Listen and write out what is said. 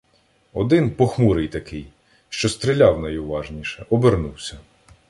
Один, похмурий такий, що стріляв найуважніше, обернувся.